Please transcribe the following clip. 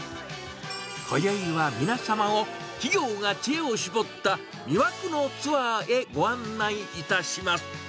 こよいは皆様を、企業が知恵を絞った、魅惑のツアーへご案内いたします。